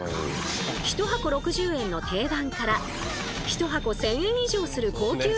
１箱６０円の定番から１箱１，０００円以上する高級路線。